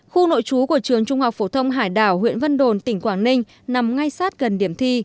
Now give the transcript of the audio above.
khu nội trú của trường trung học phổ thông hải đảo huyện vân đồn tỉnh quảng ninh nằm ngay sát gần điểm thi